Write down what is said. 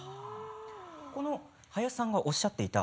林さんがおっしゃっていた。